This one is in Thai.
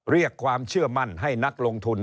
เรียกความเชื่อมั่นให้นักลงทุน